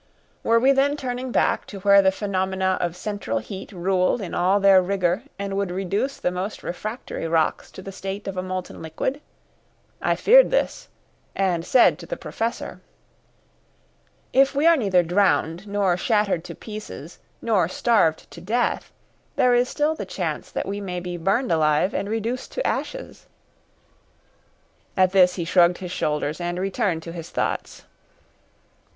Were we then turning back to where the phenomena of central heat ruled in all their rigour and would reduce the most refractory rocks to the state of a molten liquid? I feared this, and said to the Professor: "If we are neither drowned, nor shattered to pieces, nor starved to death, there is still the chance that we may be burned alive and reduced to ashes." At this he shrugged his shoulders and returned to his thoughts.